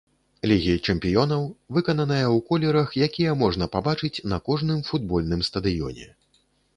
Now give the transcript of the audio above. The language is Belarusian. Лігі чэмпіёнаў, выкананая ў колерах, якія можна пабачыць на кожным футбольным стадыёне.